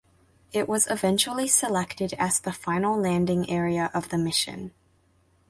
It was eventually selected as the final landing area of the mission.